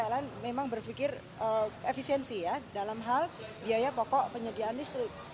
pln memang berpikir efisiensi ya dalam hal biaya pokok penyediaan listrik